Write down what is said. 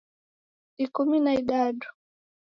Ikumi na idadu